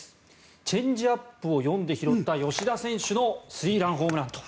チェンジアップを読んで拾った吉田選手のホームランと。